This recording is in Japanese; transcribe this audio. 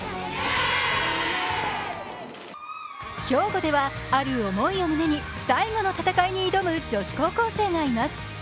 兵庫ではある思いを胸に、最後の戦いに挑む女子高生がいます。